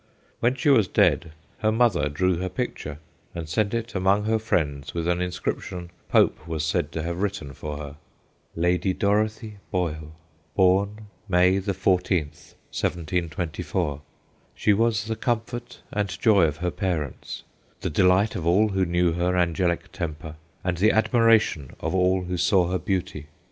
When she was dead her mother drew her picture and sent it among her friends with an inscription Pope was said to have written for her. LADY DOROTHY BOYLE, Born May the 14th, 1724. She was the comfort and joy of her parents, the delight of all who knew her angelick temper, and the admiration of all who saw her beauty.